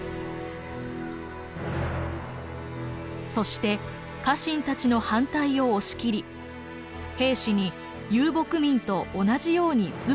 そして家臣たちの反対を押し切り兵士に遊牧民と同じようにズボンをはかせました。